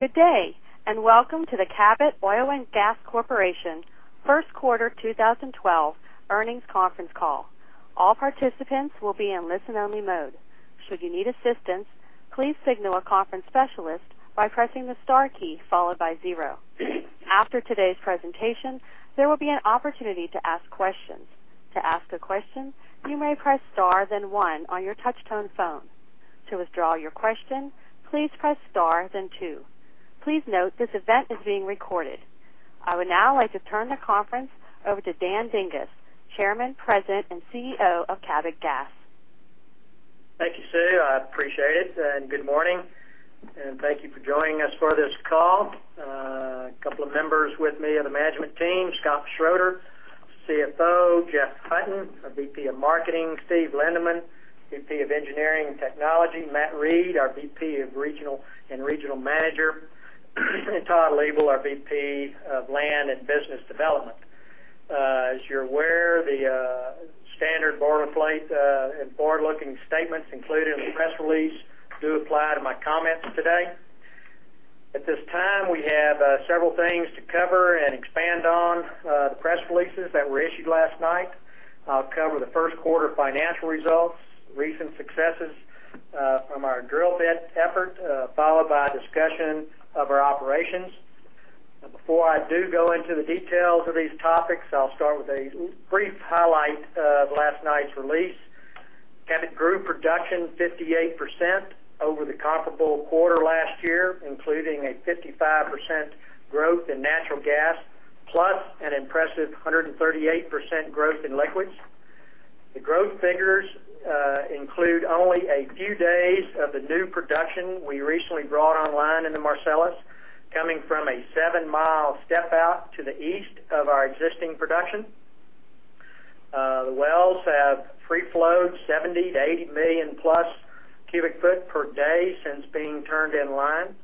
Good day, and welcome to the Cabot Oil & Gas Corporation First Quarter 2012 Earnings Conference Call. All participants will be in listen-only mode. Should you need assistance, please signal a conference specialist by pressing the star key followed by zero. After today's presentation, there will be an opportunity to ask questions. To ask a question, you may press star then one on your touch-tone phone. To withdraw your question, please press star then two. Please note this event is being recorded. I would now like to turn the conference over to Dan Dinges, Chairman, President, and CEO of Cabot Gas. Thank you, Sue. I appreciate it, and good morning, and thank you for joining us for this call. A couple of members with me of the management team: Scott Schroeder, CFO; Jeff Hutton, VP of Marketing; Steve Lindeman, VP of Engineering and Technology; Matt Reid, our VP and Regional Manager; and Todd Leibel, our VP of Land and Business Development. As you're aware, the standard board of late and forward-looking statements included in the press release do apply to my comments today. At this time, we have several things to cover and expand on. The press releases that were issued last night, I'll cover the first quarter financial results, recent successes from our drilling effort, followed by a discussion of our operations. Before I do go into the details of these topics, I'll start with a brief highlight of last night's release. Cabot grew production 58% over the comparable quarter last year, including a 55% growth in natural gas, plus an impressive 138% growth in liquids. The growth figures include only a few days of the new production we recently brought online in the Marcellus, coming from a 7 mi step-out to the east of our existing production. The wells have free flowed 70 to 80+ MMcfd since being turned in line.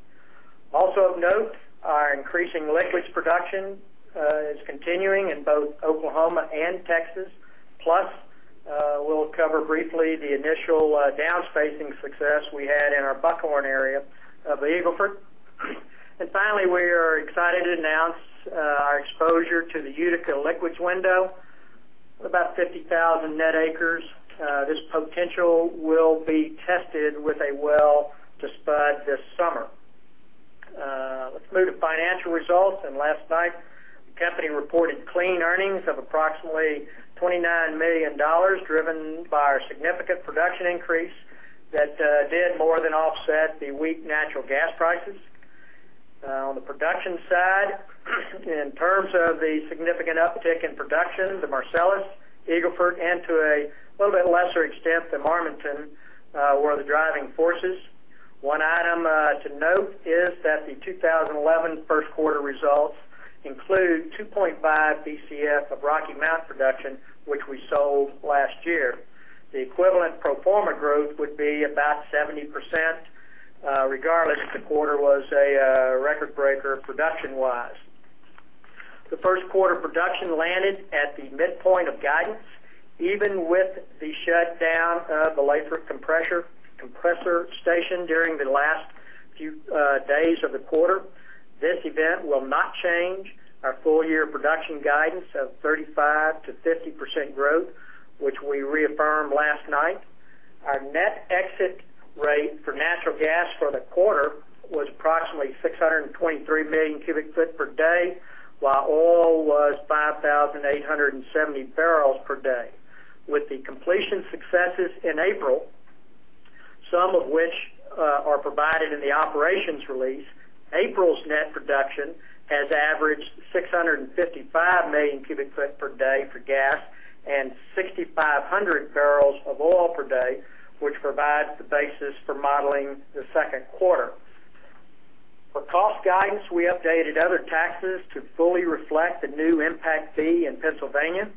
Also of note, our increasing liquids production is continuing in both Oklahoma and Texas, plus we'll cover briefly the initial downspacing success we had in our Buckhorn area of the Eagle Ford. Finally, we are excited to announce our exposure to the Utica liquids window with about 50,000 net acres. This potential will be tested with a well to spud this summer. Let's move to financial results. Last night, the company reported clean earnings of approximately $29 million, driven by a significant production increase that did more than offset the weak natural gas prices. On the production side, in terms of the significant uptick in production, the Marcellus, Eagle Ford, and to a little bit lesser extent the Marmaton were the driving forces. One item to note is that the 2011 first quarter results include 2.5 Bcf of Rocky Mount production, which we sold last year. The equivalent pro forma growth would be about 70%, regardless, the quarter was a record breaker production-wise. The first quarter production landed at the midpoint of guidance, even with the shutdown of the compressor station during the last few days of the quarter. This event will not change our full-year production guidance of 35%-50% growth, which we reaffirmed last night. Our net exit rate for natural gas for the quarter was approximately 623 MMcfd, while oil was 5,870 bpd. With the completion successes in April, some of which are provided in the operations release, April's net production has averaged 655 MMcfd for gas and 6,500 bbl of oil per day, which provides the basis for modeling the second quarter. For cost guidance, we updated other taxes to fully reflect the new impact fee in Pennsylvania.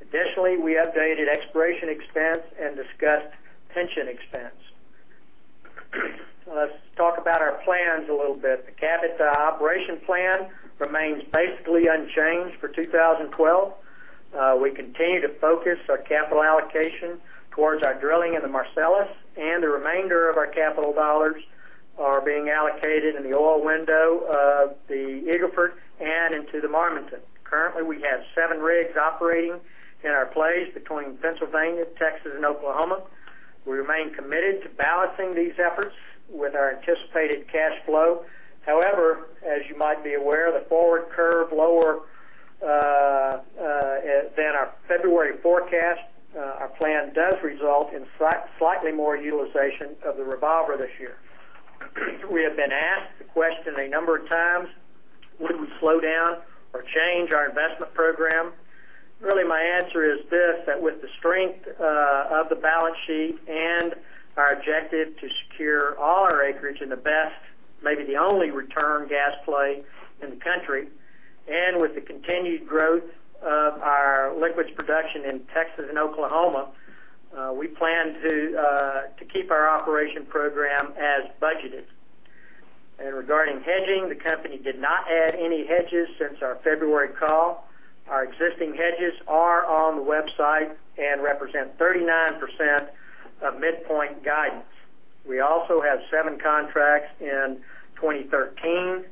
Additionally, we updated expiration expense and discussed pension expense. Let's talk about our plans a little bit. The Cabot operation plan remains basically unchanged for 2012. We continue to focus our capital allocation towards our drilling in the Marcellus, and the remainder of our capital dollars are being allocated in the oil window of the Eagle Ford and into the Marmaton. Currently, we have seven rigs operating in our plays between Pennsylvania, Texas, and Oklahoma. We remain committed to balancing these efforts with our anticipated cash flow. However, as you might be aware, the forward curve is lower than our February forecast. Our plan does result in slightly more utilization of the revolver this year. We have been asked the question a number of times, "Will we slow down or change our investment program?" My answer is this, that with the strength of the balance sheet and our objective to secure all our acreage in the best, maybe the only return gas play in the country, and with the continued growth of our liquids production in Texas and Oklahoma, we plan to keep our operation program as budgeted. Regarding hedging, the company did not add any hedges since our February call. Our existing hedges are on the website and represent 39% of midpoint guidance. We also have seven contracts in 2013,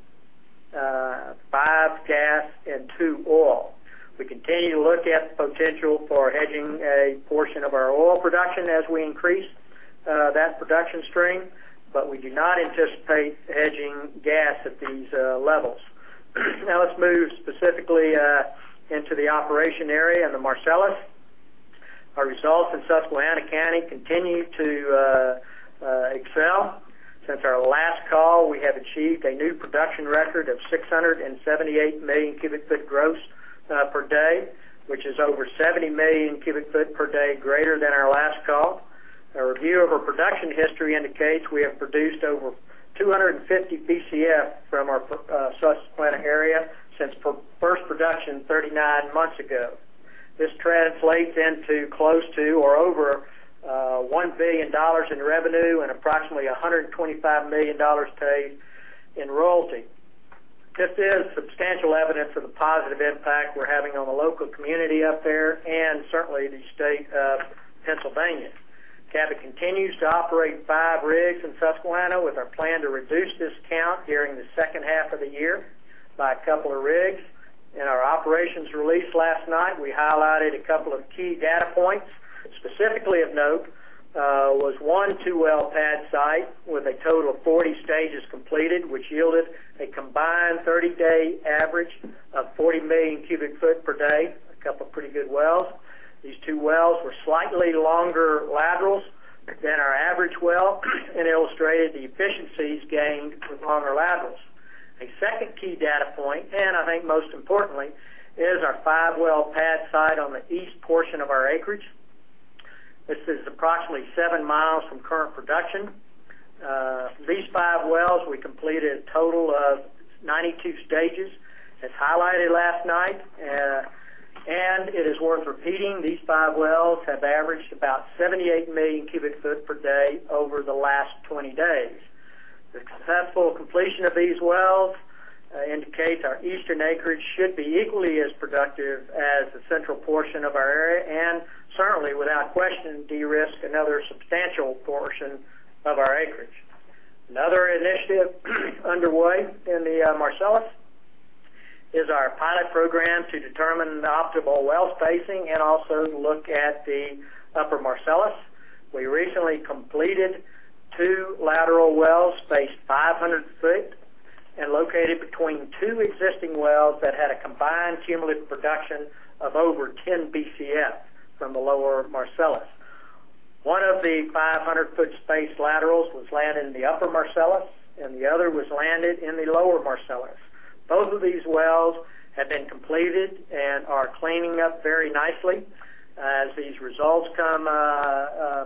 five gas, and two oil. We continue to look at the potential for hedging a portion of our oil production as we increase that production stream, but we do not anticipate hedging gas at these levels. Now let's move specifically into the operation area in the Marcellus. Our results in Susquehanna County continue to excel. Since our last call, we have achieved a new production record of 678 MMcf gross per day, which is over 70 MMcfd greater than our last call. A review of our production history indicates we have produced over 250 Bcf from our Susquehanna area since first production 39 months ago. This translates into close to or over $1 billion in revenue and approximately $125 million paid in royalty. This is substantial evidence of the positive impact we're having on the local community up there and certainly the state of Pennsylvania. Cabot continues to operate five rigs in Susquehanna with our plan to reduce this count during the second half of the year by a couple of rigs. In our operations release last night, we highlighted a couple of key data points. Specifically of note was one two-well pad site with a total of 40 stages completed, which yielded a combined 30-day average of 40 MMcfd, a couple of pretty good wells. These two wells were slightly longer laterals than our average well and illustrated the efficiencies gained with longer laterals. A second key data point, and I think most importantly, is our five-well pad site on the east portion of our acreage. This is approximately 7 mi from current production. These five wells, we completed a total of 92 stages as highlighted last night, and it is worth repeating, these five wells have averaged about 78 MMcfd over the last 20 days. The successful completion of these wells indicates our eastern acreage should be equally as productive as the central portion of our area and certainly, without question, de-risk another substantial portion of our acreage. Another initiative underway in the Marcellus is our pilot program to determine the optimal well spacing and also look at the upper Marcellus. We recently completed two lateral wells spaced 500 ft and located between two existing wells that had a combined cumulative production of over 10 Bcf from the lower Marcellus. One of the 500 ft spaced laterals was landed in the upper Marcellus, and the other was landed in the lower Marcellus. Both of these wells have been completed and are cleaning up very nicely. As these results become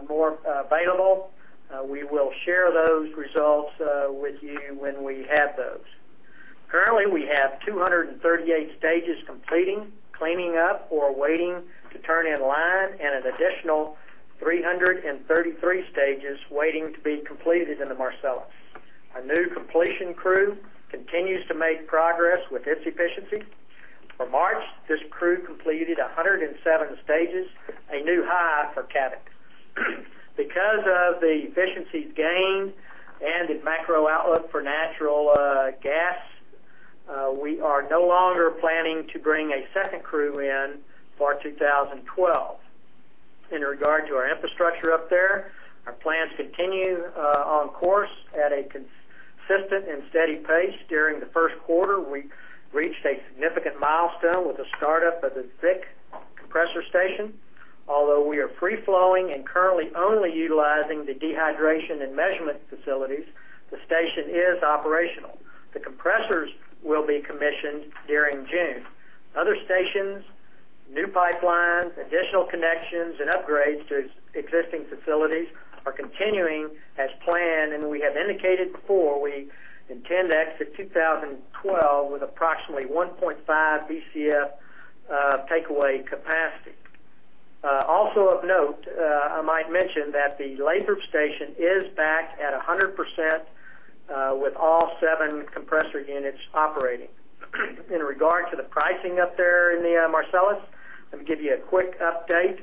more available, we will share those results with you when we have those. Currently, we have 238 stages completing, cleaning up, or waiting to turn in line, and an additional 333 stages waiting to be completed in the Marcellus. A new completion crew continues to make progress with its efficiency. For March, this crew completed 107 stages, a new high for Cabot. Because of the efficiencies gained and the macro outlook for natural gas, we are no longer planning to bring a second crew in for 2012. In regard to our infrastructure up there, our plans continue on course at a consistent and steady pace. During the first quarter, we reached a significant milestone with the startup of the Tunkhannock compressor station. Although we are free-flowing and currently only utilizing the dehydration and measurement facilities, the station is operational. The compressors will be commissioned during June. Other stations, new pipelines, additional connections, and upgrades to existing facilities are continuing as planned. We have indicated before we intend to exit 2012 with approximately 1.5 Bcf takeaway capacity. Also of note, I might mention that the Lathrop station is back at 100%, with all seven compressor units operating. In regard to the pricing up there in the Marcellus, let me give you a quick update.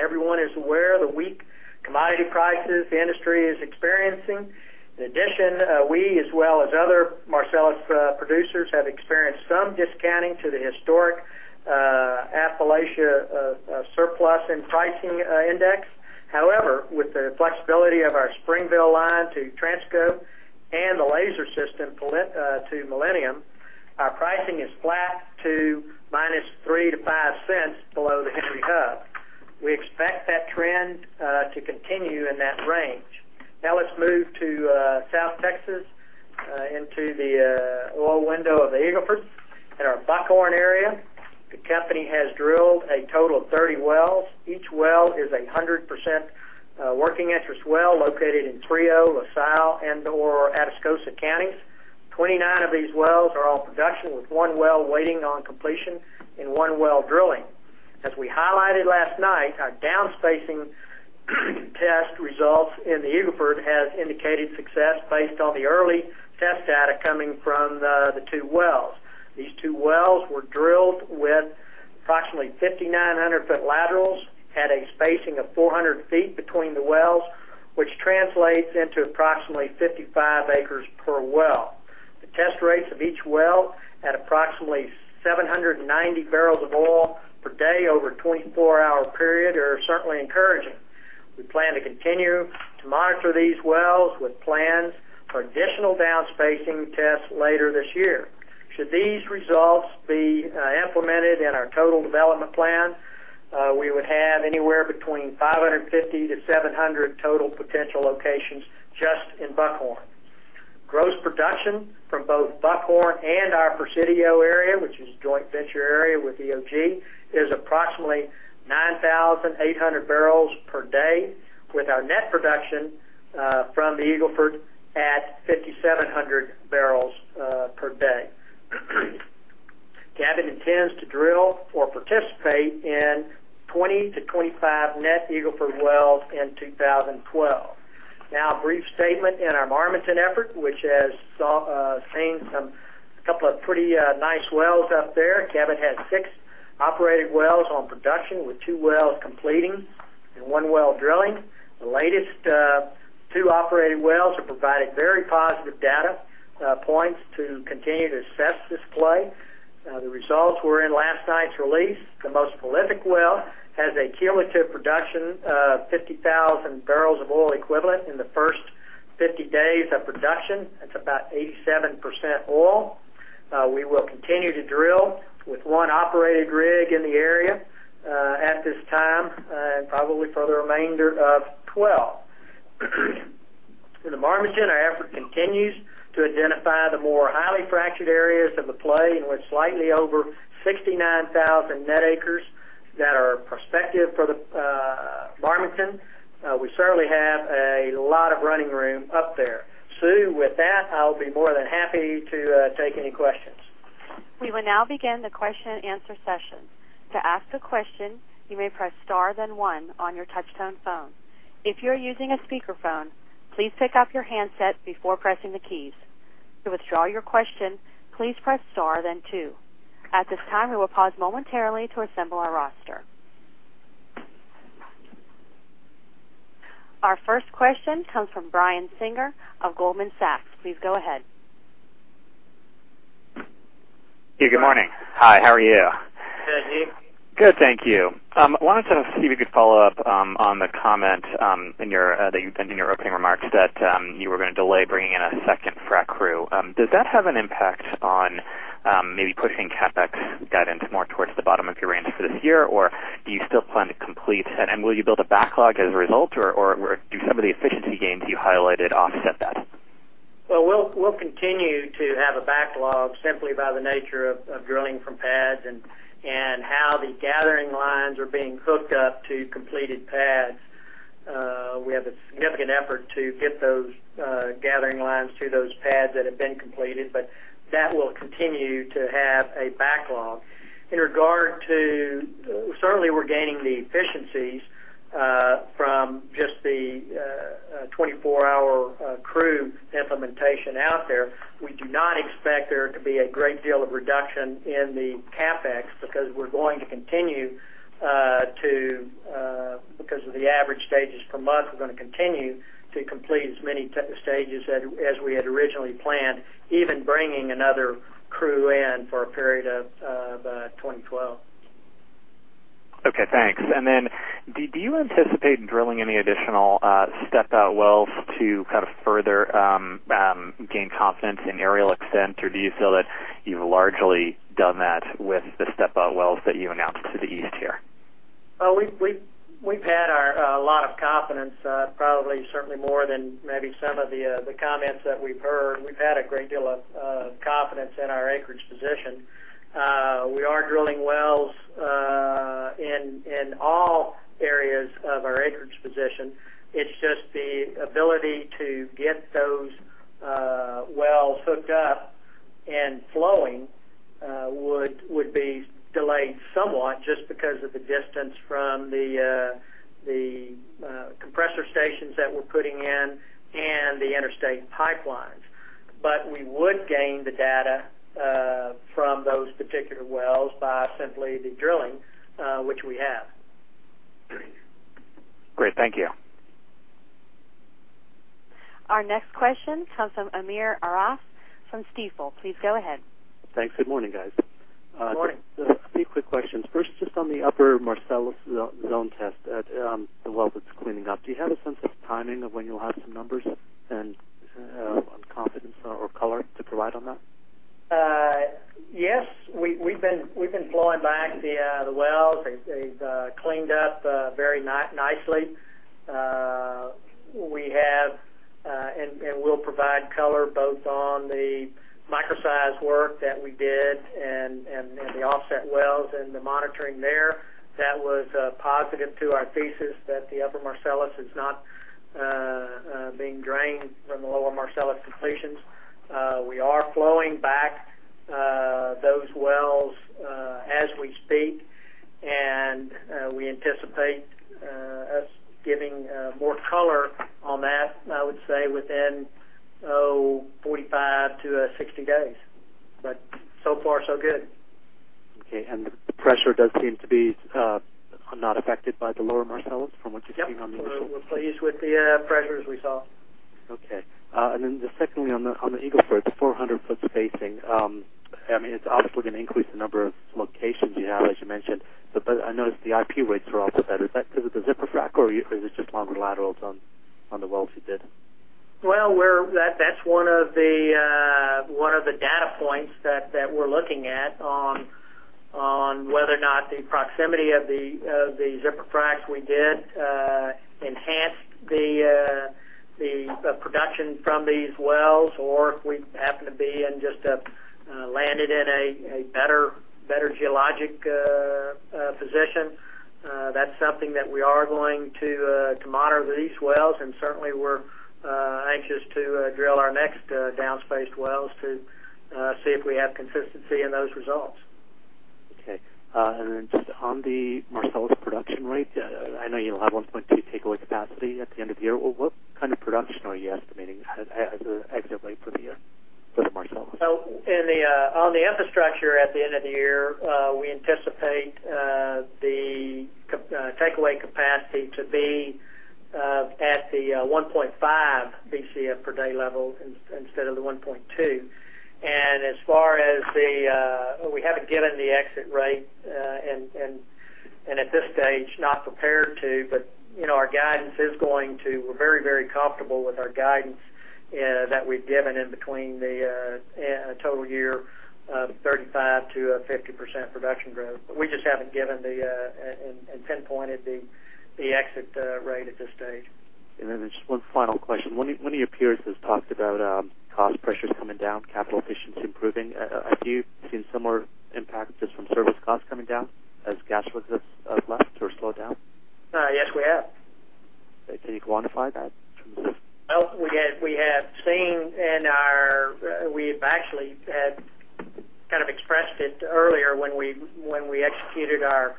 Everyone is aware of the weak commodity prices the industry is experiencing. In addition, we, as well as other Marcellus producers, have experienced some discounting to the historic Appalachia surplus in pricing index. However, with the flexibility of our Springville line to Transco and the Laser System to Millennium, our pricing is flat to -$0.03 to $0.05 below the entry hub. We expect that trend to continue in that range. Now let's move to South Texas, into the oil window of the Eagle Ford. In our Buckhorn area, the company has drilled a total of 30 wells. Each well is a 100% working interest well located in Frio, LaSalle, and/or Atascosa counties. 29 of these wells are on production, with one well waiting on completion and one well drilling. As we highlighted last night, our downspacing test results in the Eagle Ford have indicated success based on the early test data coming from the two wells. These two wells were drilled with approximately 5,900 ft laterals, had a spacing of 400 ft between the wells, which translates into approximately 55 acres per well. The test rates of each well at approximately 790 bbl of oil per day over a 24-hour period are certainly encouraging. We plan to continue to monitor these wells with plans for additional downspacing tests later this year. Should these results be implemented in our total development plan, we would have anywhere between 550-700 total potential locations just in Buckhorn. Gross production from both Buckhorn and our Presidio area, which is a joint venture area with EOG, is approximately 9,800 bpd, with our net production from the Eagle Ford at 5,700 bpd. Cabot intends to drill or participate in 20-25 net Eagle Ford wells in 2012. Now, a brief statement in our Marmaton effort, which has seen a couple of pretty nice wells up there. Cabot has six operated wells on production, with two wells completing and one well drilling. The latest two operated wells have provided very positive data points to continue to assess this play. The results were in last night's release. The most prolific well has a cumulative production of 50,000 BOE in the first 50 days of production. That's about 87% oil. We will continue to drill with one operated rig in the area at this time, and probably for the remainder of 2012. In the Marmaton, our effort continues to identify the more highly fractured areas of the play and with slightly over 69,000 net acres that are prospective for the Marmaton. We certainly have a lot of running room up there. Sue, with that, I'll be more than happy to take any questions. We will now begin the question and answer session. To ask a question, you may press star then one on your touch-tone phone. If you are using a speakerphone, please take off your handset before pressing the keys. To withdraw your question, please press star then two. At this time, we will pause momentarily to assemble our roster. Our first question comes from Brian Singer of Goldman Sachs. Please go ahead. Hey, good morning. Hi, how are you? Good, you? Good, thank you. I wanted to see if you could follow up on the comment in your opening remarks that you were going to delay bringing in a second frac crew. Does that have an impact on maybe pushing CapEx guidance more towards the bottom of your range for this year, or do you still plan to complete? Will you build a backlog as a result, or do some of the efficiency gains you highlighted offset that? We will continue to have a backlog simply by the nature of drilling from pads and how the gathering lines are being hooked up to completed pads. We have a significant effort to get those gathering lines to those pads that have been completed, but that will continue to have a backlog. In regard to, certainly, we're gaining the efficiencies from just the 24-hour crew implementation out there. We do not expect there to be a great deal of reduction in the CapEx because we're going to continue to, because of the average stages per month, we're going to continue to complete as many stages as we had originally planned, even bringing another crew in for a period of 2012. Okay, thanks. Do you anticipate in drilling any additional step-out wells to kind of further gain confidence in aerial extent, or do you feel that you've largely done that with the step-out wells that you announced to the east here? We have had a lot of confidence, probably certainly more than maybe some of the comments that we've heard. We have had a great deal of confidence in our acreage position. We are drilling wells in all areas of our acreage position. It's just the ability to get those wells hooked up and flowing would be delayed somewhat just because of the distance from the compressor stations that we're putting in and the interstate pipelines. We would gain the data from those particular wells by simply the drilling, which we have. Great, thank you. Our next question comes from Amir Arif from Stifel. Please go ahead. Thanks. Good morning, guys. Good morning. A few quick questions. First, just on the upper Marcellus zone test at the well that's cleaning up, do you have a sense of timing of when you'll have some numbers and confidence or color to provide on that? Yes, we've been flowing back the wells. They've cleaned up very nicely. We have, and we'll provide color both on the micro-size work that we did and the offset wells and the monitoring there that was positive to our thesis that the upper Marcellus is not being drained from the lower Marcellus completions. We are flowing back those wells as we speak, and we anticipate us giving more color on that, I would say, within 45-60 days. So far, so good. Okay. The pressure does seem to be not affected by the lower Marcellus from what you've seen. Yep, we're pleased with the pressures we saw. Okay. Secondly, on the Eagle Ford, the 400 ft spacing, it's obviously going to increase the number of locations you have, as you mentioned. I noticed the IP rates are also better. Is that because of the zipper frac, or is it just longer laterals on the wells you did? That is one of the data points that we're looking at on whether or not the proximity of the zipper frac we did enhanced the production from these wells, or if we happen to be just landed in a better geologic position. That is something that we are going to monitor with these wells, and certainly, we're anxious to drill our next downspaced wells to see if we have consistency in those results. Okay. On the Marcellus production rate, I know you'll have 1.2 Bcf takeaway capacity at the end of the year. What kind of production are you estimating as an exit rate for the year for the Marcellus? On the infrastructure at the end of the year, we anticipate the takeaway capacity to be at the 1.5 Bcf per day level instead of the 1.2 Bcf. As far as the exit rate, we haven't given the exit rate, and at this stage, not prepared to, but you know our guidance is going to—we're very, very comfortable with our guidance that we've given in between the total year of 35%-50% production growth. We just haven't given and pinpointed the exit rate at this stage. One final question. One of your peers has talked about cost pressures coming down, capital efficiency improving. Have you seen similar impact just from service costs coming down as gas reserves have left or slowed down? Yes, we have. Can you quantify that? We have seen in our, we actually had kind of expressed it earlier when we executed up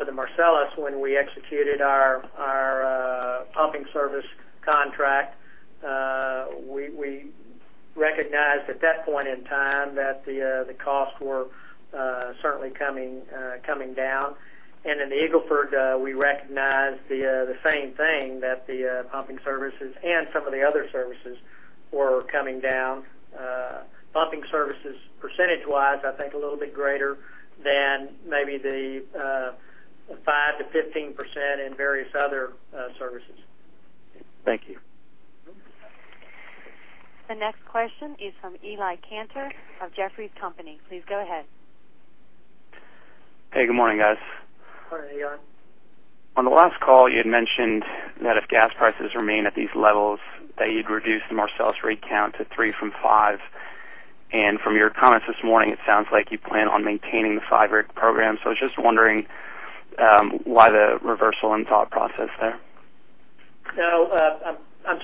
at the Marcellus, when we executed our pumping service contract. We recognized at that point in time that the costs were certainly coming down. In the Eagle Ford, we recognized the same thing, that the pumping services and some of the other services were coming down. Pumping services percentage-wise, I think a little bit greater than maybe the 5% to 15% in various other services. Thank you. The next question is from Eli Kantor of Jefferies & Company. Please go ahead. Hey, good morning, guys. Morning, Eli. On the last call, you had mentioned that if gas prices remain at these levels, that you'd reduce the Marcellus rig count to three from five. From your comments this morning, it sounds like you plan on maintaining the five-rig program. I was just wondering why the reversal in thought process there. I'm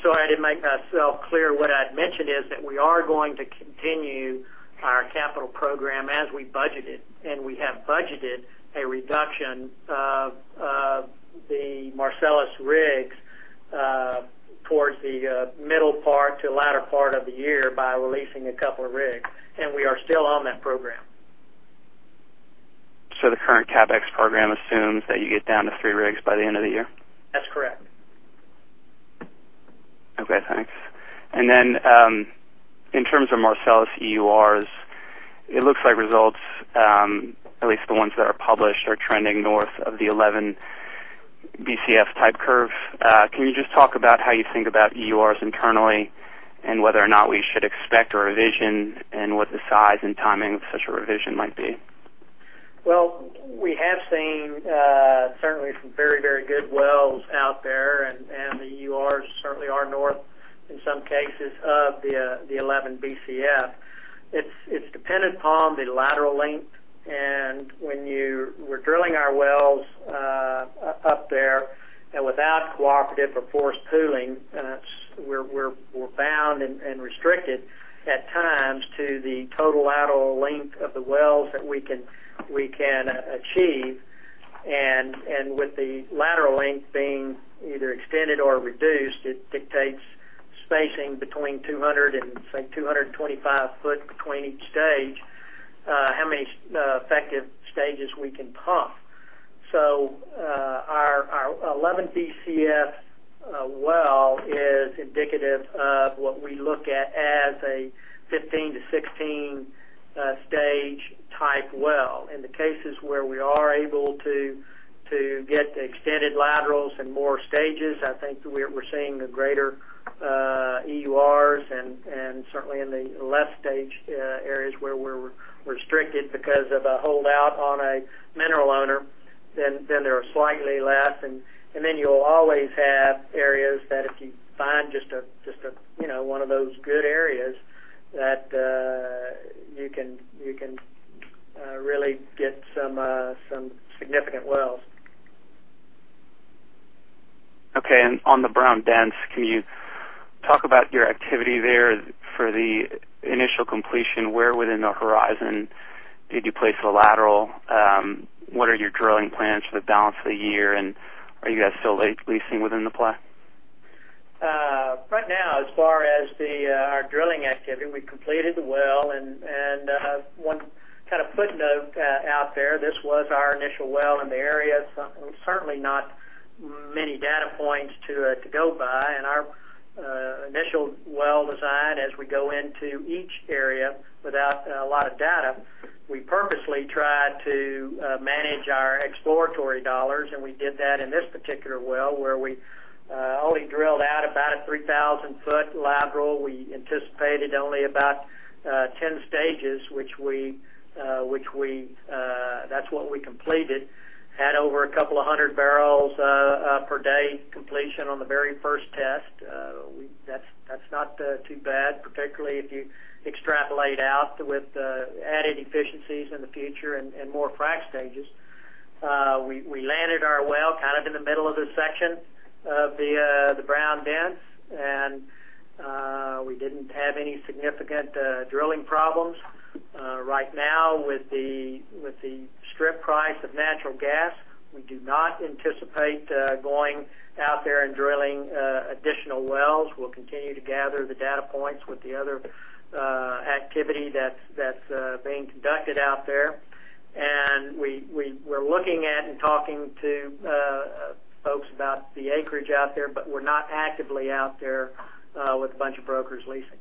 sorry. I didn't make myself clear. What I'd mentioned is that we are going to continue our capital program as we budgeted, and we have budgeted a reduction of the Marcellus rigs towards the middle part to the latter part of the year by releasing a couple of rigs. We are still on that program. The current CapEx program assumes that you get down to three rigs by the end of the year? That's correct. Okay, thanks. In terms of Marcellus EURs, it looks like results, at least the ones that are published, are trending north of the 11 Bcf type curve. Can you just talk about how you think about EURs internally and whether or not we should expect a revision and what the size and timing of such a revision might be? We have seen certainly some very, very good wells out there, and the EURs certainly are north in some cases of the 11 Bcf. It's dependent upon the lateral length. When we're drilling our wells up there and without cooperative or forced pooling, we're bound and restricted at times to the total lateral length of the wells that we can achieve. With the lateral length being either extended or reduced, it dictates spacing between 200 ft and, say, 225 ft between each stage, how many effective stages we can pump. Our 11 Bcf well is indicative of what we look at as a 15-16 stage type well. In the cases where we are able to get the extended laterals and more stages, I think that we're seeing the greater EURs. Certainly, in the less stage areas where we're restricted because of a holdout on a mineral owner, then they're slightly less. You'll always have areas that if you find just a, you know, one of those good areas that you can really get some significant wells. Okay. On the Brown Dense, can you talk about your activity there for the initial completion? Where within the horizon did you place the lateral? What are your drilling plans for the balance of the year, and are you guys still leasing within the plan? Right now, as far as our drilling activity, we completed the well. One kind of footnote out there, this was our initial well in the area, so certainly not many data points to go by. Our initial well design, as we go into each area without a lot of data, we purposely tried to manage our exploratory dollars. We did that in this particular well where we only drilled out about a 3,000 ft lateral. We anticipated only about 10 stages, which we completed, had over a couple of hundred barrels per day completion on the very first test. That's not too bad, particularly if you extrapolate out with added efficiencies in the future and more frac stages. We landed our well kind of in the middle of the section of the Brown Dense, and we didn't have any significant drilling problems. Right now, with the strip price of natural gas, we do not anticipate going out there and drilling additional wells. We'll continue to gather the data points with the other activity that's being conducted out there. We're looking at and talking to folks about the acreage out there, but we're not actively out there with a bunch of brokers leasing.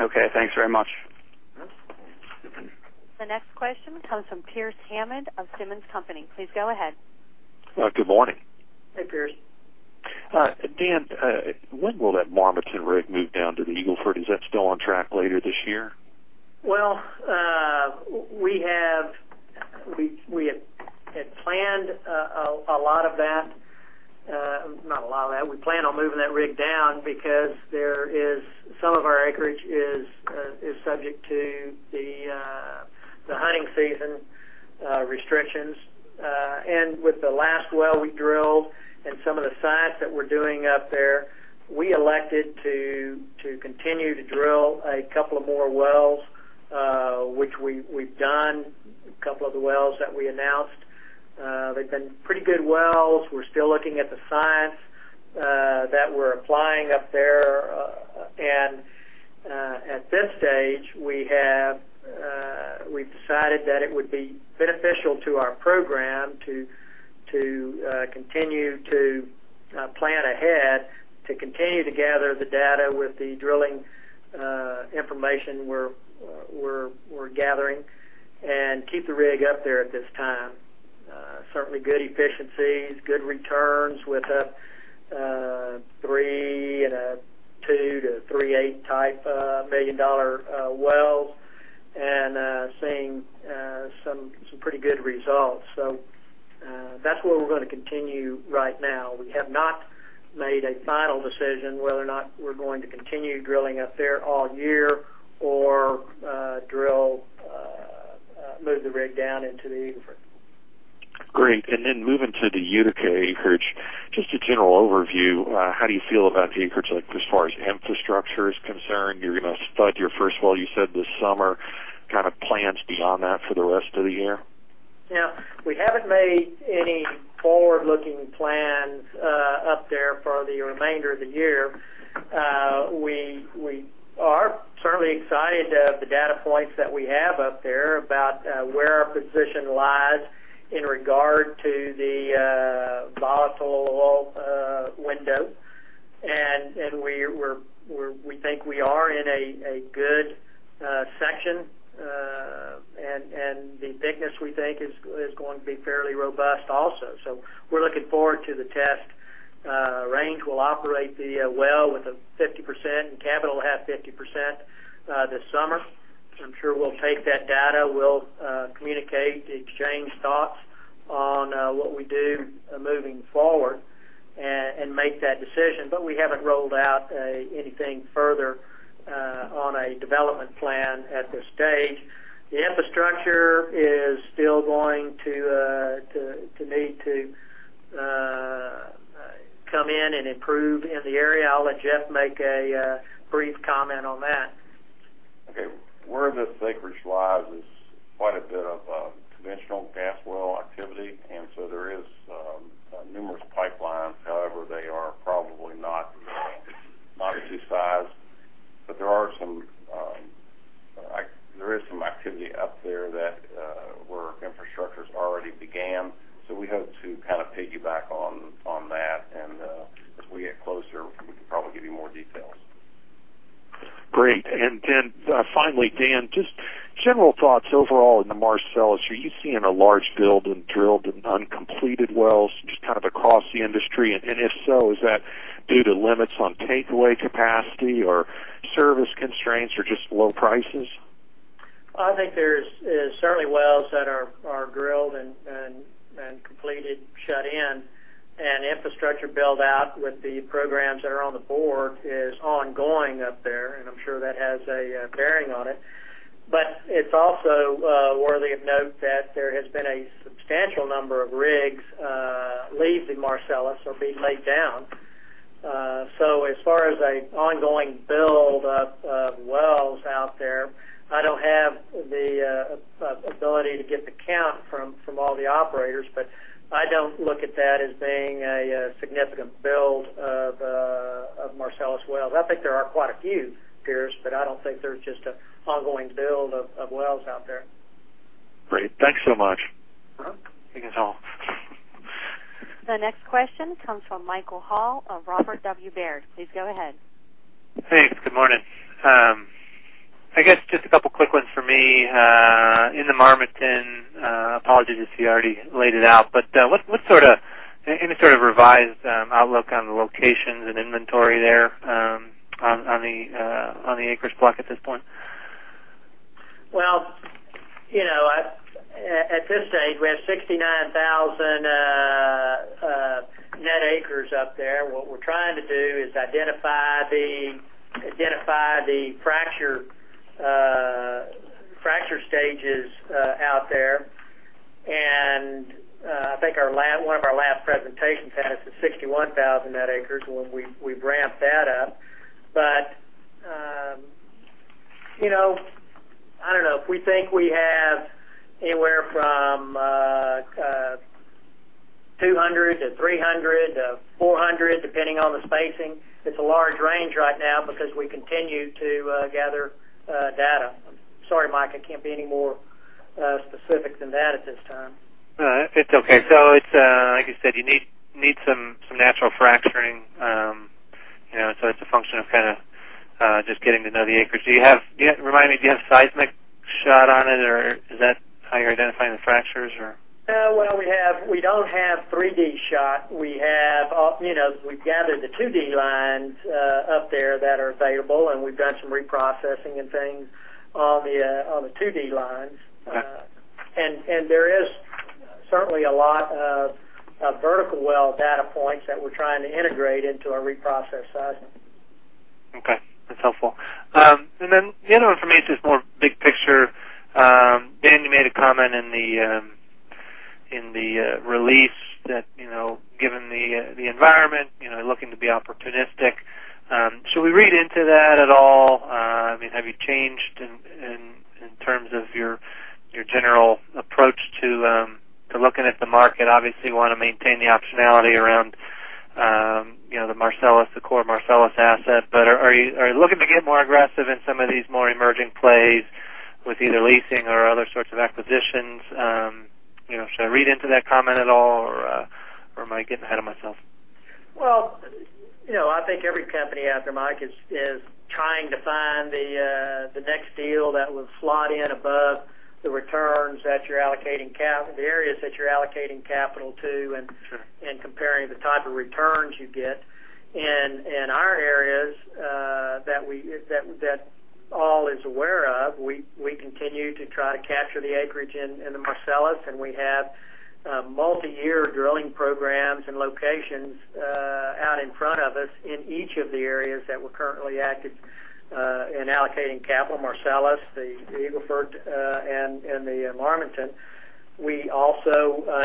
Okay, thanks very much. The next question comes from Pearce Hammond of Simmons & Company. Please go ahead. Good morning. Hey, Pearce. Dan, when will that Marmaton rig move down to the Eagle Ford? Is that still on track later this year? We have planned a lot of that, not a lot of that. We plan on moving that rig down because some of our acreage is subject to the hunting season restrictions. With the last well we drilled and some of the sites that we're doing up there, we elected to continue to drill a couple of more wells, which we've done, a couple of the wells that we announced. They've been pretty good wells. We're still looking at the sites that we're applying up there. At this stage, we've decided that it would be beneficial to our program to continue to plan ahead, to continue to gather the data with the drilling information we're gathering, and keep the rig up there at this time. Certainly, good efficiencies, good returns with a $3 million and a $2 million-$3.8 million type wells, and seeing some pretty good results. That's where we're going to continue right now. We have not made a final decision whether or not we're going to continue drilling up there all year or move the rig down into the Eagle Ford. Great. Moving to the Utica acreage, just a general overview, how do you feel about the acreage as far as infrastructure is concerned? You're going to start your first well, you said, this summer. Kind of plans beyond that for the rest of the year? Yeah. We haven't made any forward-looking plans up there for the remainder of the year. We are certainly excited to have the data points that we have up there about where our position lies in regard to the volatile window. We think we are in a good section, and the thickness we think is going to be fairly robust also. We are looking forward to the test range. We'll operate the well with a 50% and capital will have 50% this summer. I'm sure we'll take that data. We'll communicate to exchange thoughts on what we do moving forward and make that decision. We haven't rolled out anything further on a development plan at this stage. The infrastructure is still going to need to come in and improve in the area. I'll let Jeff make a brief comment on that. Okay. Where the thickness lies is quite a bit of conventional gas well activity, and there are numerous pipelines. However, they are probably not of this size. There is some activity up there where infrastructure has already begun. We hope to kind of piggyback on that. As we get closer, we can probably give you more details. Great. Finally, Dan, just general thoughts overall in the Marcellus. Are you seeing a large build in drilled and uncompleted wells just kind of across the industry? If so, is that due to limits on takeaway capacity or service constraints or just low prices? I think there are certainly wells that are drilled and completed shut in. Infrastructure build-out with the programs that are on the board is ongoing up there, and I'm sure that has a bearing on it. It's also worthy of note that there has been a substantial number of rigs leaving Marcellus or being laid down. As far as an ongoing build of wells out there, I don't have the ability to get the count from all the operators, but I don't look at that as being a significant build of Marcellus wells. I think there are quite a few, Pearce, but I don't think there's just an ongoing build of wells out there. Great. Thanks so much. Thank you all. The next question comes from Michael Hall of Robert W. Baird. Please go ahead. Hey, good morning. I guess just a couple of quick ones for me. In the Marmaton, apologies if you already laid it out, but what sort of any sort of revised outlook on the locations and inventory there on the acreage block at this point? At this stage, we have 69,000 net acres up there. What we're trying to do is identify the fracture stages out there. I think one of our last presentations had us at 61,000 net acres when we ramped that up. I don't know. If we think we have anywhere from 200 to 300 to 400, depending on the spacing, it's a large range right now because we continue to gather data. Sorry, Mike, I can't be any more specific than that at this time. It's okay. Like you said, you need some natural fracturing. It's a function of kind of just getting to know the acreage. Do you have, remind me, do you have a seismic shot on it, or is that how you're identifying the fractures? We don't have 3D shot. We've gathered the 2D lines up there that are available, and we've done some reprocessing and things on the 2D lines. There is certainly a lot of vertical well data points that we're trying to integrate into our reprocessed seismic. Okay. That's helpful. The other one for me is just more big picture. Dan, you made a comment in the release that, you know, given the environment, you know, looking to be opportunistic. Should we read into that at all? I mean, have you changed in terms of your general approach to looking at the market? Obviously, you want to maintain the optionality around the Marcellus, the core Marcellus asset. Are you looking to get more aggressive in some of these more emerging plays with either leasing or other sorts of acquisitions? Should I read into that comment at all, or am I getting ahead of myself? I think every company out there, Mike, is trying to find the next deal that would slot in above the returns that you're allocating capital, the areas that you're allocating capital to, and comparing the type of returns you get. In our areas that all is aware of, we continue to try to capture the acreage in the Marcellus. We have multi-year drilling programs and locations out in front of us in each of the areas that we're currently active in allocating capital: Marcellus, the Eagle Ford, and the Marmaton.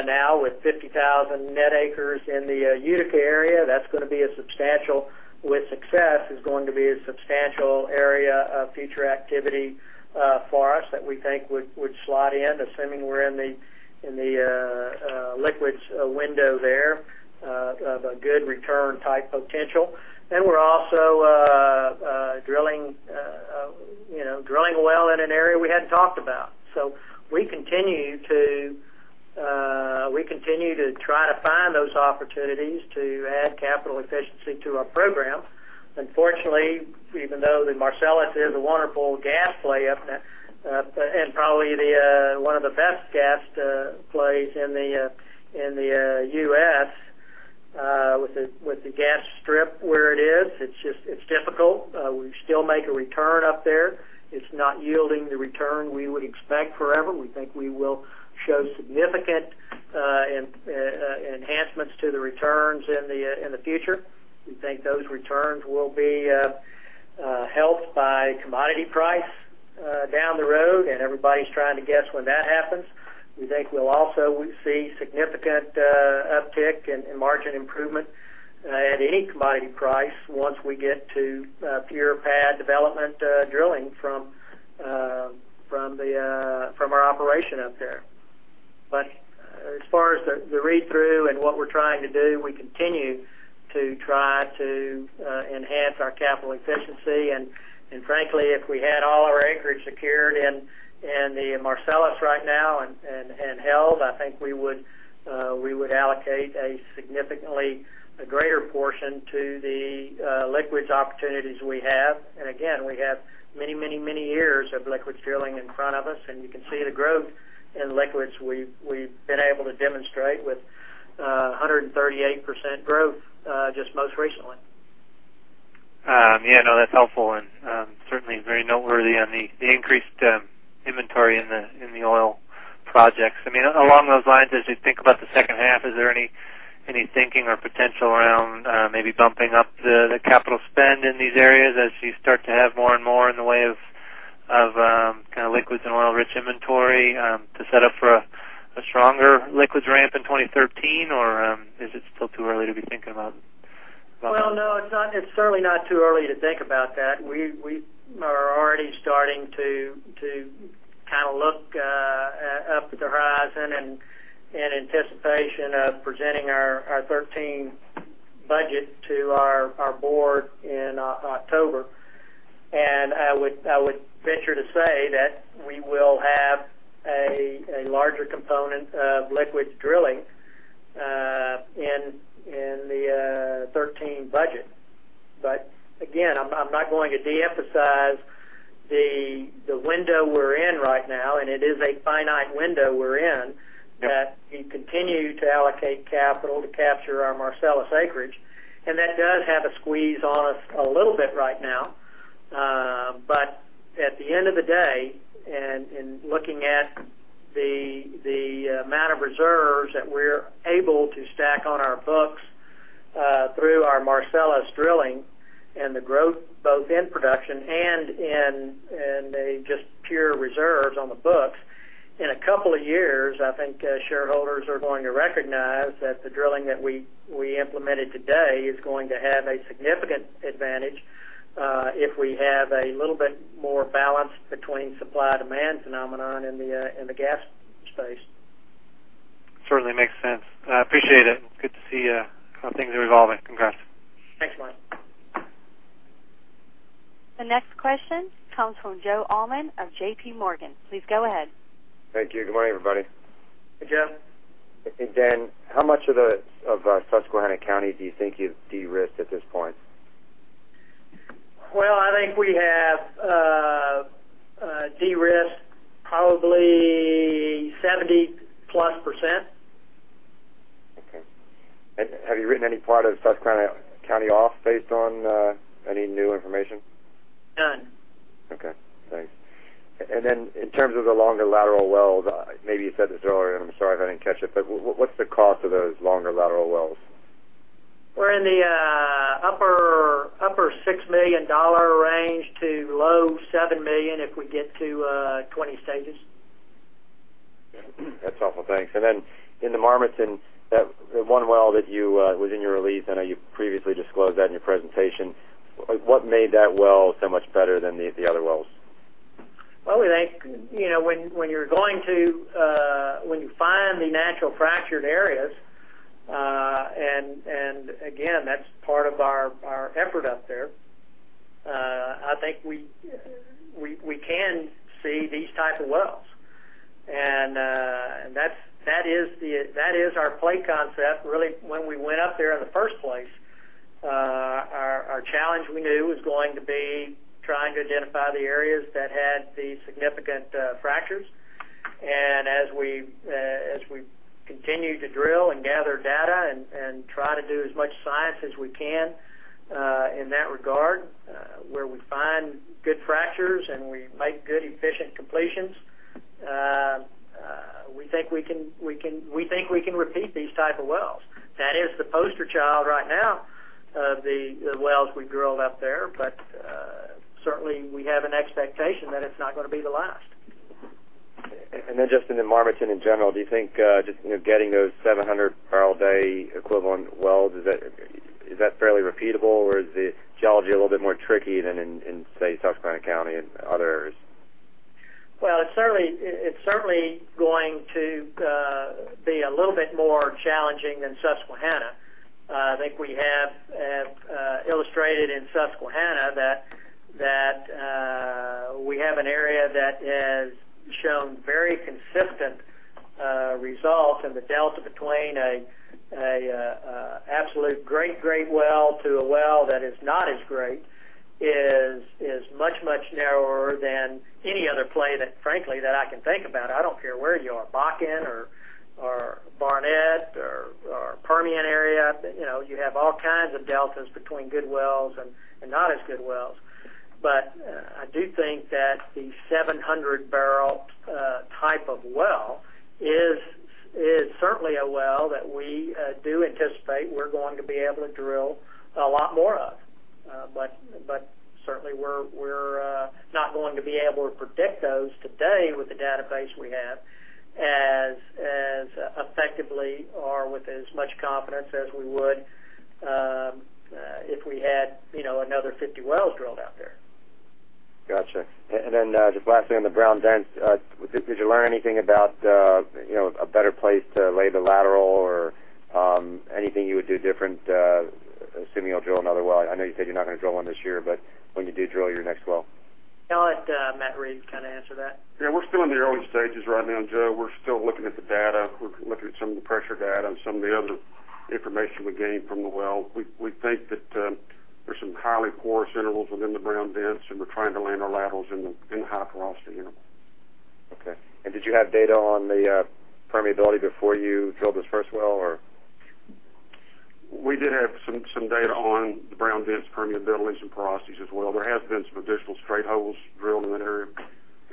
Now with 50,000 net acres in the Utica area, that's going to be a substantial, with success, is going to be a substantial area of future activity for us that we think would slot in, assuming we're in the liquids window there of a good return type potential. We're also drilling a well in an area we hadn't talked about. We continue to try to find those opportunities to add capital efficiency to our program. Unfortunately, even though the Marcellus is a wonderful gas play and probably one of the best gas plays in the U.S. with the gas strip where it is, it's difficult. We still make a return up there. It's not yielding the return we would expect forever. We think we will show significant enhancements to the returns in the future. We think those returns will be helped by commodity price down the road, and everybody's trying to guess when that happens. We think we'll also see significant uptick in margin improvement at any commodity price once we get to pure pad development drilling from our operation up there. As far as the read-through and what we're trying to do, we continue to try to enhance our capital efficiency. Frankly, if we had all our acreage secured in the Marcellus right now and held, I think we would allocate a significantly greater portion to the liquids opportunities we have. Again, we have many, many, many years of liquids drilling in front of us. You can see the growth in liquids we've been able to demonstrate with 138% growth just most recently. Yeah, no, that's helpful and certainly very noteworthy on the increased inventory in the oil projects. Along those lines, as you think about the second half, is there any thinking or potential around maybe bumping up the capital spend in these areas as you start to have more and more in the way of kind of liquids and oil-rich inventory to set up for a stronger liquids ramp in 2023? Or is it still too early to be thinking about that? No, not necessarily too early to think about that. We are already starting to kind of look up at the horizon in anticipation of presenting our 2013 budget to our board in October. I would venture to say that we will have a larger component of liquids drilling in the 2013 budget. Again, I'm not going to de-emphasize the window we're in right now, and it is a finite window we're in, that we continue to allocate capital to capture our Marcellus acreage. That does have a squeeze on us a little bit right now. At the end of the day, in looking at the amount of reserves that we're able to stack on our books through our Marcellus drilling and the growth both in production and in just pure reserves on the books, in a couple of years, I think shareholders are going to recognize that the drilling that we implemented today is going to have a significant advantage if we have a little bit more balance between supply-demand phenomenon in the gas space. Certainly makes sense. I appreciate it. Good to see how things are evolving. Congrats. Thanks, Mike. The next question comes from Joe Allman of JPMorgan. Please go ahead. Thank you. Good morning, everybody. Hey, Joe. Hey, Dan. How much of Susquehanna County do you think you've de-risked at this point? I think we have de-risked probably 70%+. Have you written any part of Susquehanna County off based on any new information? None. Okay. Thanks. In terms of the longer lateral wells, maybe you said this earlier, and I'm sorry if I didn't catch it, but what's the cost of those longer lateral wells? We're in the upper $6 million range to low $7 million if we get to 20 stages. That's helpful. Thanks. In the Marmaton, that one well that was in your release, I know you previously disclosed that in your presentation. What made that well so much better than the other wells? We think, you know, when you're going to, when you find the natural fractured areas, and again, that's part of our effort up there, I think we can see these types of wells. That is our play concept. Really, when we went up there in the first place, our challenge we knew was going to be trying to identify the areas that had the significant fractures. As we continue to drill and gather data and try to do as much science as we can in that regard, where we find good fractures and we make good efficient completions, we think we can repeat these types of wells. That is the poster child right now of the wells we drilled up there. We have an expectation that it's not going to be the last. In the Marmaton in general, do you think just getting those 700 bpd equivalent wells, is that fairly repeatable, or is the geology a little bit more tricky than in, say, Susquehanna County and other areas? It is certainly going to be a little bit more challenging than Susquehanna. I think we have illustrated in Susquehanna that we have an area that has shown very consistent results, and the delta between an absolute great, great well to a well that is not as great is much, much narrower than any other play that, frankly, I can think about. I don't care where you are, Bakken or Barnett or Permian area. You have all kinds of deltas between good wells and not as good wells. I do think that the 700 bbl type of well is certainly a well that we do anticipate we are going to be able to drill a lot more of. Certainly, we are not going to be able to predict those today with the database we have as effectively or with as much confidence as we would if we had another 50 wells drilled out there. Gotcha. Lastly, on the Brown Dense, did you learn anything about a better place to lay the lateral or anything you would do different, assuming you'll drill another well? I know you said you're not going to drill one this year, but when you do drill your next well? I'll let Matt Reid kind of answer that. Yeah, we're still in the early stages right now, Joe. We're still looking at the data. We're looking at some of the pressure data and some of the other information we gained from the well. We think that there's some highly coarse intervals within the Brown Dense, and we're trying to lay our laterals in the high-velocity interval. Did you have data on the permeability before you drilled this first well? We did have some data on the Brown Dense permeability and some porosities as well. There have been some additional straight holes drilled in that area,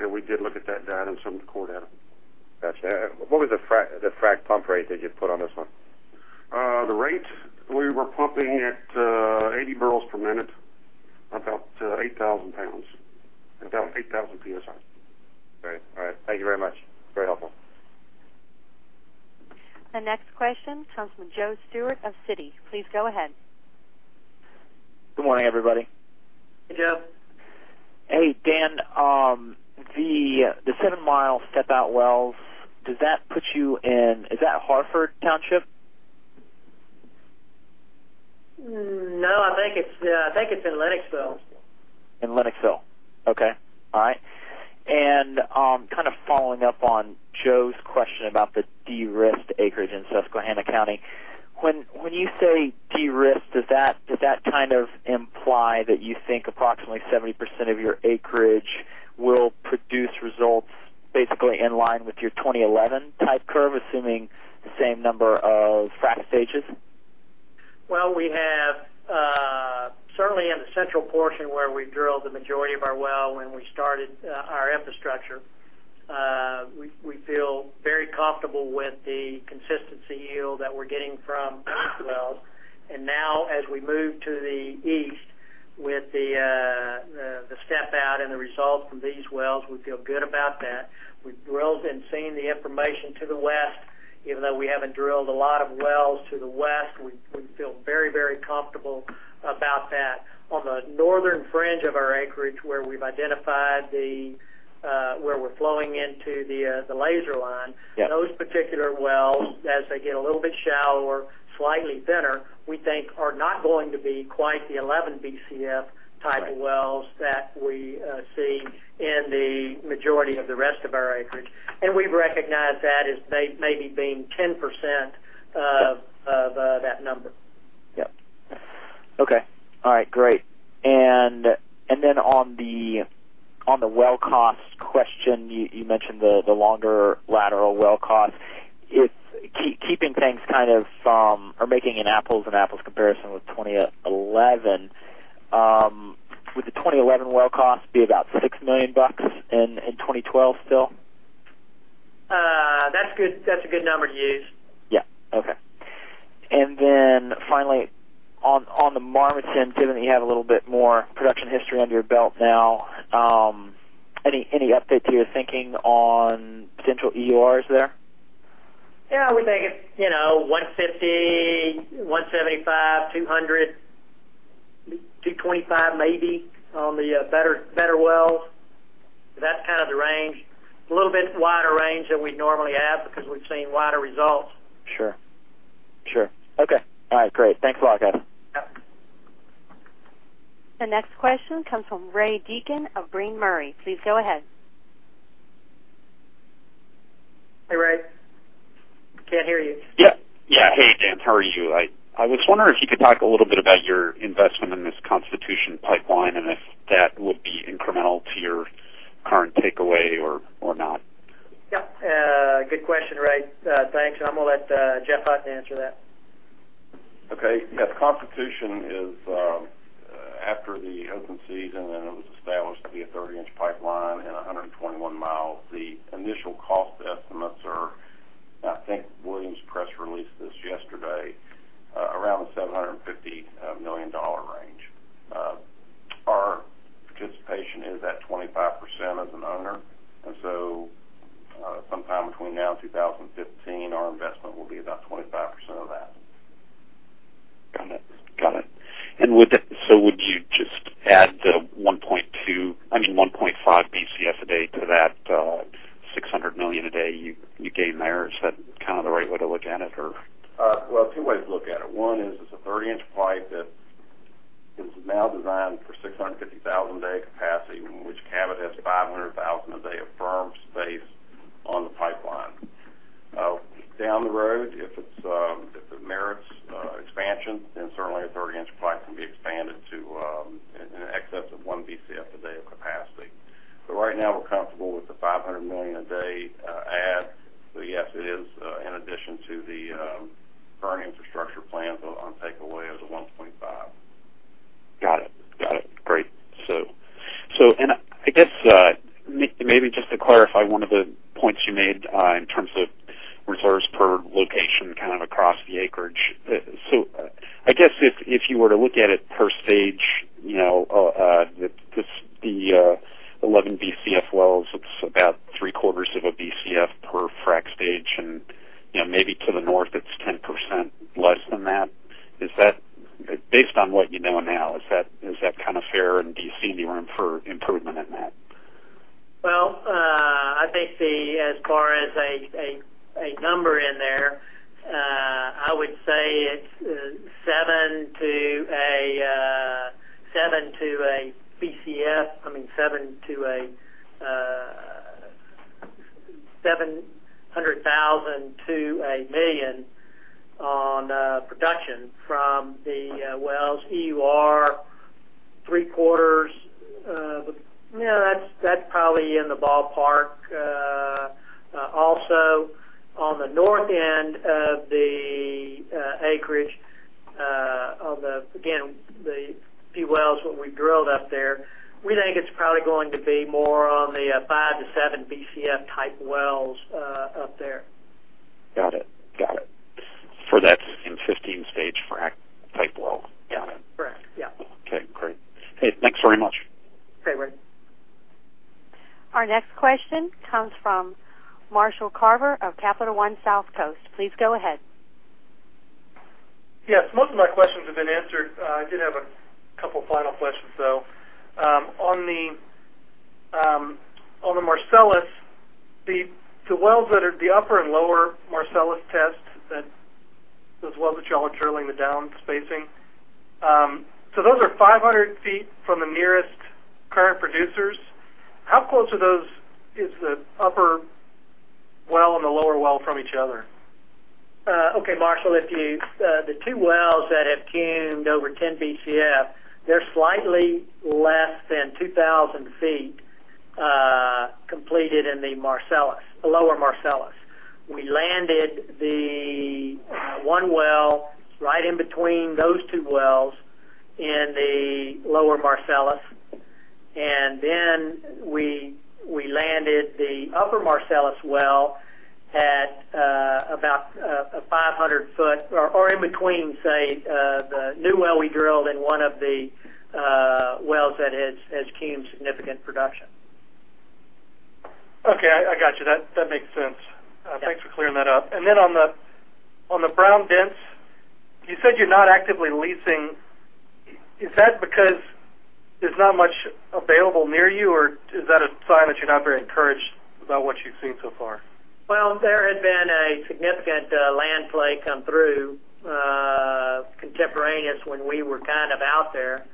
and we did look at that data and some core data. Gotcha. What was the frac pump rate that you put on this one? The rate, we were pumping at 80 bbl per minute, about 8,000 lbs, and about 8,000 PSI. Great. All right. Thank you very much. Very helpful. The next question comes from Joe Stewart of Citi. Please go ahead. Good morning, everybody. Hey, Joe. Hey, Dan. The 7 mi step-out wells, does that put you in, is that Hartford Township? No, I think it's in Lenoxville. In Lenoxville. All right. Kind of following up on Joe's question about the de-risked acreage in Susquehanna County, when you say de-risk, does that imply that you think approximately 70% of your acreage will produce results basically in line with your 2011 type curve, assuming the same number of frac stages? In the central portion where we drilled the majority of our wells when we started our infrastructure, we feel very comfortable with the consistency yield that we're getting from the wells. As we move to the east with the step-out and the results from these wells, we feel good about that. We've drilled and seen the information to the west, even though we haven't drilled a lot of wells to the west, we feel very, very comfortable about that. On the northern fringe of our acreage where we've identified where we're flowing into the laser line, those particular wells, as they get a little bit shallower, slightly thinner, we think are not going to be quite the 11 Bcf type of wells that we see in the majority of the rest of our acreage. We recognize that as maybe being 10% of that number. Okay. All right. Great. On the well cost question, you mentioned the longer lateral well cost. It's keeping things kind of or making an apples-to-apples comparison with 2011. Would the 2011 well cost be about $6 million in 2012 still? That's a good number to use. Okay. Finally, on the Marmaton, given that you have a little bit more production history under your belt now, any update to your thinking on potential EURs there? Yeah, we think it's 150, 175, 200, 225 maybe on the better wells. That's kind of the range, a little bit wider range than we normally have because we've seen wider results. Sure. Okay. All right. Great. Thanks a lot, guys. The next question comes from Ray Deacon of Brean Murray. Please go ahead. Hey, Ray. Can't hear you. Yeah. Hey, Dan. How are you? I was wondering if you could talk a little bit about your investment in this Constitution Pipeline and if that would be incremental to your current takeaway or not. Yeah. Good question, Ray. Thanks. I'm going to let Jeff Hutton answer that. Okay. Yeah, the Constitution is, after the open season, and it was established to be a 30 in pipeline and a 121 mi. The initial cost estimates are, and I think Williams press released this yesterday, around the $750 million range. Our participation is at 25% as an owner. Sometime between now and 2015, our investment will be about 25% of that. Got it. Would you just add the 1.2 Bcf, I mean, 1.5 Bcf a day to that, 600 MMcfd you gain there? Is that kind of the right way to look at it? There are two ways to look at it. One is it's a 30 in pipe that is now designed for 650,000 cfd capacity, in which Cabot has 500,000 cfd of firm space on the pipeline. Down the road, if it merits expansion, then certainly a 30 in pipe can be expanded to in excess of 1 Bcf a day of capacity. Right now, we're comfortable with the 500 MMcfd add. Yes, it is, in addition to the current infrastructure plans on takeaway of the 1.5 Bcf. Got it. Great. Just to clarify one of the points you made, in terms of reserves per location kind of across the acreage, if you were to look at it per stage, the 11 Bcf wells look about 0.75 Bcf per frac stage. Maybe to the north, it's 10% less than that. Is that based on what you know now, is that kind of fair, and do you see any room for improvement in that? As far as a number in there, I would say it's 7 to a Bcf, I mean, 7 to a, 700,000-1 million on production from the wells EUR three-quarters. Yeah, that's probably in the ballpark. Also, on the north end of the acreage, on the, again, the few wells when we drilled up there, we think it's probably going to be more on the 5 Bcf-7 Bcf type wells up there. Got it. Got it. For that's in 15-stage frac type well. Got it. Correct. Yeah. Okay, great. Hey, thanks very much. Okay, Ray. Our next question comes from Marshall Carver of Capital One Southcoast. Please go ahead. Yes, most of my questions have been answered. I did have a couple of final questions, though. On the Marcellus, the wells that are the upper and lower Marcellus tests, those wells that y'all are drilling the downspacing, those are 500 ft from the nearest current producers. How close are those, is the upper well and the lower well from each other? Okay, Marshall, the two wells that have turned over 10 Bcf, they're slightly less than 2,000 ft, completed in the Marcellus, a lower Marcellus. We landed one well right in between those two wells in the lower Marcellus. We landed the upper Marcellus well at about a 500 ft or in between, say, the new well we drilled and one of the wells that has turned significant production. Okay, I gotcha. That makes sense. Thanks for clearing that up. On the Brown Dense, you said you're not actively leasing. Is that because there's not much available near you, or is that a sign that you're not very encouraged about what you've seen so far? There had been a significant land play come through, contemporaneous when we were kind of out there.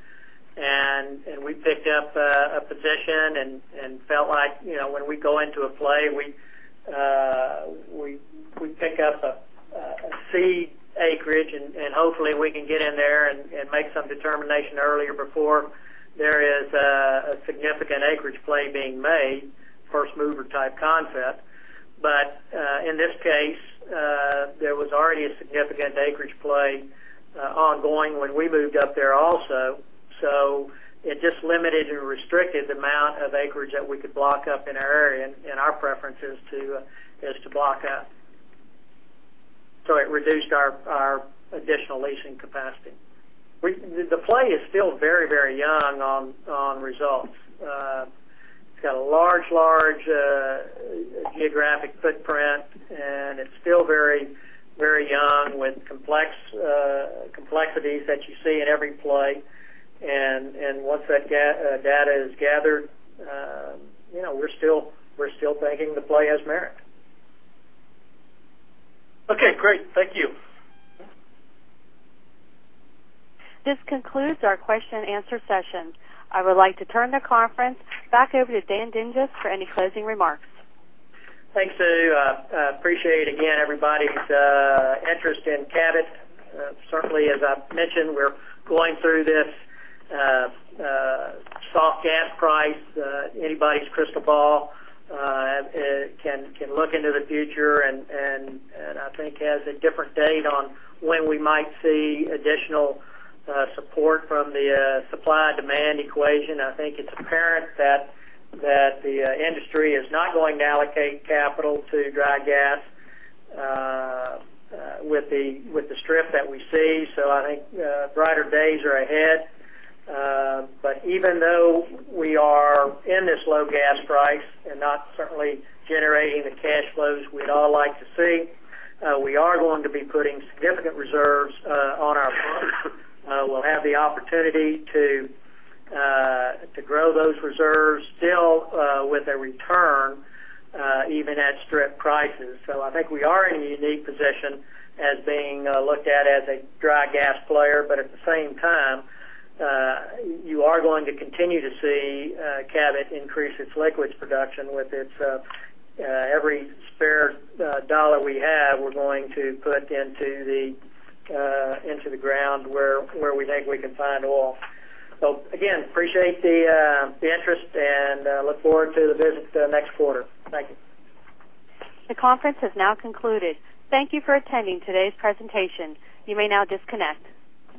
We picked up a position and felt like, you know, when we go into a play, we pick up a seed acreage, and hopefully, we can get in there and make some determination earlier before there is a significant acreage play being made, first mover type concept. In this case, there was already a significant acreage play ongoing when we moved up there also. It just limited and restricted the amount of acreage that we could block up in our area and our preferences to block up. It reduced our additional leasing capacity. The play is still very, very young on results. It has a large, large geographic footprint, and it's still very, very young with complexities that you see in every play. Once that data is gathered, you know, we're still thinking the play has merit. Okay, great. Thank you. This concludes our question and answer session. I would like to turn the conference back over to Dan Dinges for any closing remarks. Thanks, Sue. I appreciate again everybody's interest in Cabot. Certainly, as I mentioned, we're going through this soft gas price. Anybody's crystal ball can look into the future and I think has a different date on when we might see additional support from the supply-demand equation. I think it's apparent that the industry is not going to allocate capital to dry gas with the strips that we see. I think brighter days are ahead. Even though we are in this low gas price and not certainly generating the cash flows we'd all like to see, we are going to be putting significant reserves on our books. We'll have the opportunity to grow those reserves still with a return, even at strip prices. I think we are in a unique position as being looked at as a dry gas player. At the same time, you are going to continue to see Cabot increase its liquids production with its every spare dollar we have, we're going to put into the ground where we think we can find oil. Again, appreciate the interest and look forward to the visit next quarter. Thank you. The conference has now concluded. Thank you for attending today's presentation. You may now disconnect.